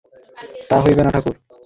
তা হইবে না ঠাকুর।